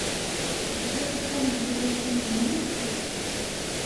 Tebɣiḍ uṭṭun n tilifun-inu?